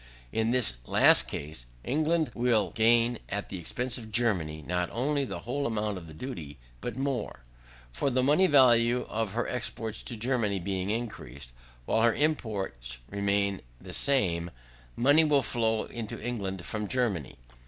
In this last case, England will gain, at the expense of Germany, not only the whole amount of the duty, but more. For the money value of her exports to Germany being increased, while her imports remain the same, money will flow into England from Germany.